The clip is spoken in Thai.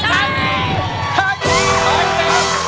มานี่ครับ